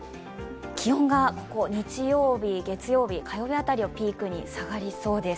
気温が日曜日、月曜日、火曜日辺りをピークに下がりそうです。